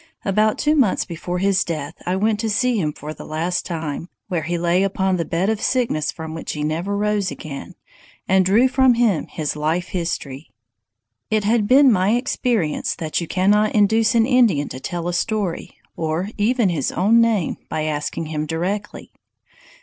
About two months before his death I went to see him for the last time, where he lay upon the bed of sickness from which he never rose again, and drew from him his life history. It had been my experience that you cannot induce an Indian to tell a story, or even his own name, by asking him directly.